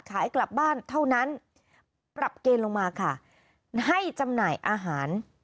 ขายกลับบ้านเท่านั้นปรับเกณฑ์ลงมาค่ะให้จำหน่ายอาหาร